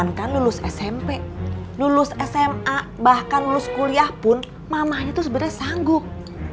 jangan kan lulus smp lulus sma bahkan lulus kuliah pun mamahnya tuh sebenarnya sanggup